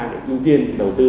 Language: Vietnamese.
để ưu tiên đầu tư